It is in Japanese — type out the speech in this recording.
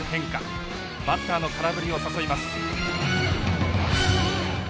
バッターの空振りを誘います。